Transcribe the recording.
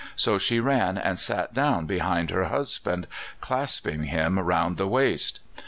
So she ran and sat down behind her husband, clasping him round the waist.